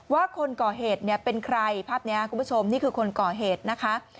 ว่าคนก่อเหตุเนี่ยเป็นใครภาพนี้คุณผู้ชมนี่คือคนก่อเหตุนะคะ